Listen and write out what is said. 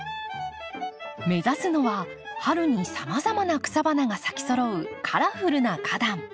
目指すのは春にさまざまな草花が咲きそろうカラフルな花壇。